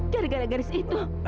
gara gara garis itu